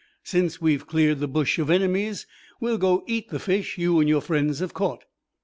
Since we've cleared the bush of enemies we'll go eat the fish you and your friends have caught."